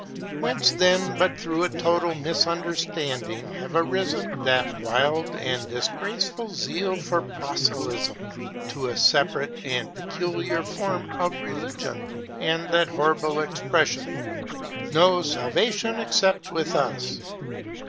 Whence, then, but through a total misunderstanding, have arisen that wild and disgraceful zeal for proselytism to a separate and peculiar form of religion, and that horrible expression "no salvation except with us."